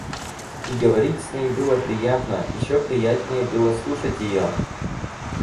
И говорить с ней было приятно, еще приятнее было слушать ее.